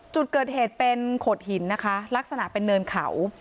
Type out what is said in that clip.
จุดเกิดเหตุเป็นโขดหินนะคะลักษณะเป็นเนินเขา